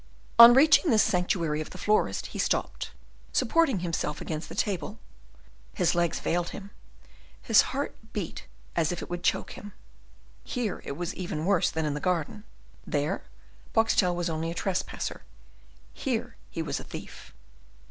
On reaching this sanctuary of the florist he stopped, supporting himself against the table; his legs failed him, his heart beat as if it would choke him. Here it was even worse than in the garden; there Boxtel was only a trespasser, here he was a thief.